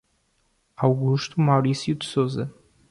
Augusto Mauricio de Souza